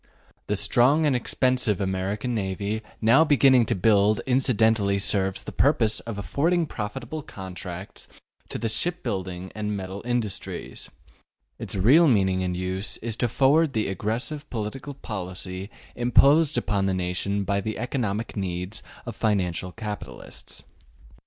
The strong and expensive American navy now beginning to be built incidentally serves the purpose of affording profitable contracts to the shipbuilding and metal industries: its real meaning and use is to forward the aggressive political policy imposed upon the nation by the economic needs of the financial capitalists.